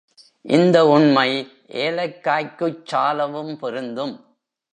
இந்த உண்மை ஏலக்காய்க்குச் சாலவும் பொருந்தும்.